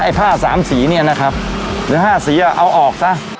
ผ้าสามสีเนี่ยนะครับหรือห้าสีอ่ะเอาออกซะ